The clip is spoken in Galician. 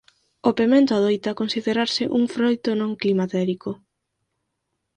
O pemento adoita considerarse un froito non climatérico.